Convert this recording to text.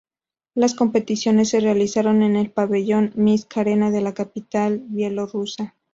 Las competiciones se realizaron en el pabellón Minsk Arena de la capital bielorrusa.